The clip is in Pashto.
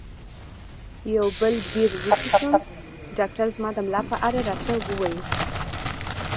یو بل بیر وڅښم؟ ډاکټر زما د ملا په اړه راته وویل.